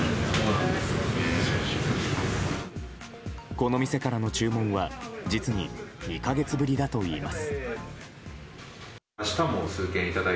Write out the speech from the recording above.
この店からの注文は実に２か月ぶりだといいます。